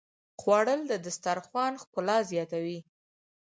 خوړل د دسترخوان ښکلا زیاتوي